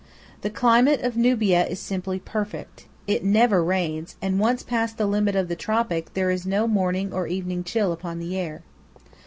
The climate of Nubia is simply perfect. It never rains; and once past the limit of the tropic, there is no morning or evening chill upon the air.